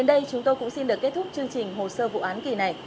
đến đây chúng tôi cũng xin được kết thúc chương trình hồ sơ vụ án kỳ này